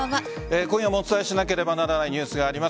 今夜もお伝えしなければならないニュースがあります。